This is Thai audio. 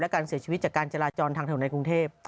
การเสียชีวิตจากการจราจรทางถนนในกรุงเทพ